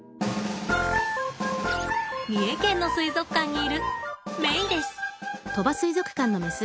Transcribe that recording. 三重県の水族館にいるメイです。